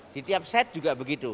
di tiap set juga begitu